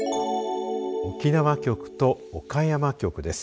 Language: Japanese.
沖縄局と岡山局です。